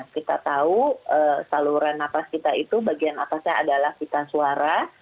kita tahu saluran nafas kita itu bagian atasnya adalah pita suara